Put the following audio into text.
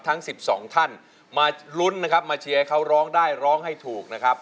ทั้งสองท่านมาลุ้นนะครับมาเชียร์ให้เขาร้องได้ร้องให้ถูกนะครับ